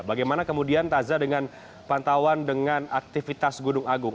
bagaimana kemudian taza dengan pantauan dengan aktivitas gunung agung